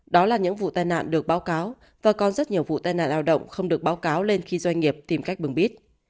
đó là những vụ tai nạn được báo cáo và còn rất nhiều vụ tai nạn lao động không được báo cáo lên khi doanh nghiệp tìm cách bưng bít